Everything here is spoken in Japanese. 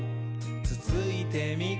つついてみ？」